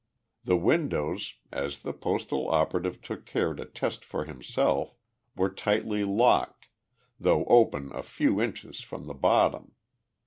The windows, as the Postal operative took care to test for himself, were tightly locked, though open a few inches from the bottom.